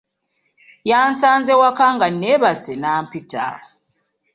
Yansanze waka nga neebase nampita.